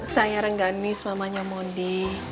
saya rengganis mamanya mundi